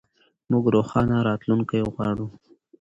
موږ روښانه راتلونکی غواړو.